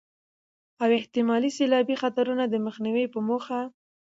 او احتمالي سيلابي خطرونو د مخنيوي په موخه